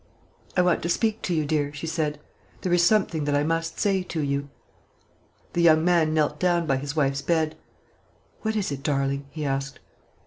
"I want to speak to you, dear," she said; "there is something that I must say to you." The young man knelt down by his wife's bed. "What is it, darling?" he asked.